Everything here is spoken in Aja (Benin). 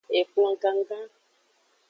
Ekplon gangan.